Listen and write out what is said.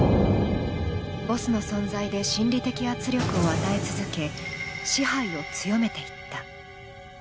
ボスの存在で心理的圧力を与え続け、支配を強めていった。